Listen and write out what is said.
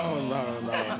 なるほど。